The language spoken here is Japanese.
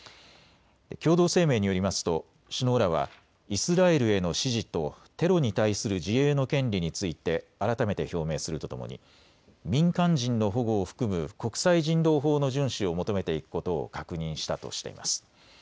共同声明によりますと首脳らはイスラエルへの支持とテロに対する自衛の権利について改めて表明するとともに民間人の保護を含む国際人道法の順守を求めていくことを確認したとしています。